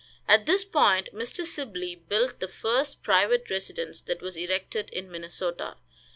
At this point Mr. Sibley built the first private residence that was erected in Minnesota.